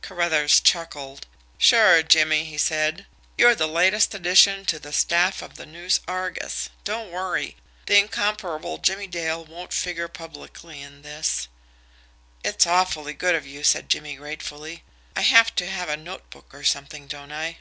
Carruthers chuckled. "Sure, Jimmie," he said. "You're the latest addition to the staff of the NEWS ARGUS. Don't worry; the incomparable Jimmie Dale won't figure publicly in this." "It's awfully good of you," said Jimmie gratefully. "I have to have a notebook or something, don't I?"